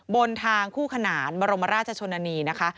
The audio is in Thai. บนทางคู่ขนานบรมราชชนนานีนะคะ